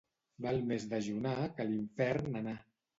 Val més dejunar que a l'infern anar.